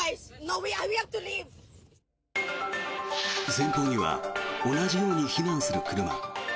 前方には同じように避難する車。